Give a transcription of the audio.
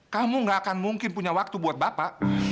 kamu gak akan mungkin punya waktu buat bapak